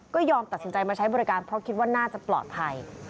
ก็ยอมตัดสินใจมาใช้บริการเพราะคิดว่าน่าจะปลอดภัย